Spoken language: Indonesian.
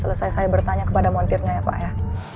selesai saya bertanya kepada montirnya ya pak ya